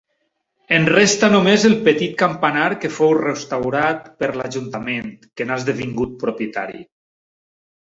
En resta només el petit campanar que fou restaurat per l’Ajuntament, que n'ha esdevingut propietari.